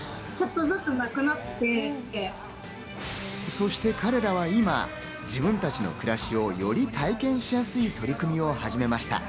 そして彼らは今、自分たちの暮らしをより体験しやすい取り組みを始めました。